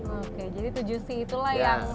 oke jadi tujuh c itulah yang